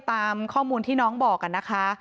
ตามข้อมูลที่น้องบอกนะคะ